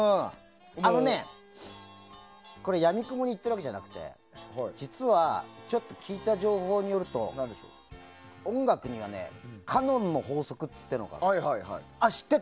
あのね、やみくもに言ってるわけじゃなくて実はちょっと聞いた情報によると音楽にはカノンの法則というのがあって。